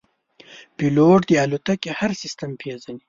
پیلوټ د الوتکې هر سیستم پېژني.